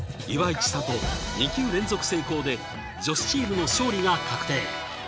千怜２球連続成功で女子チームの勝利が確定！